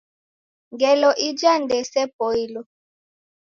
Ngelo ija nisepoilo.